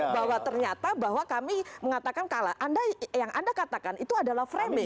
bahwa ternyata bahwa kami mengatakan kalah yang anda katakan itu adalah framing